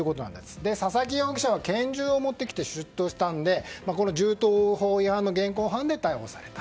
佐々木容疑者は拳銃を持ってきて出頭したので銃刀法違反の現行犯で逮捕された。